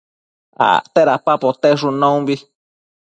acte dada poteshun naumbi